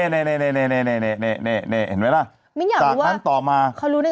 มันอยากรู้ว่าเขารู้แล้วต้องทาต่อมา